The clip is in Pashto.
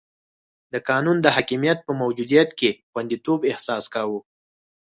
د قانون د حاکمیت په موجودیت کې خونديتوب احساس کاوه.